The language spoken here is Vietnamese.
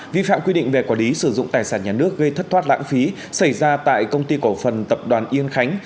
vi phạm quy định về quản lý sử dụng tài sản nhà nước gây thất thoát lãng phí xảy ra tại công ty cổ phần tập đoàn yên khánh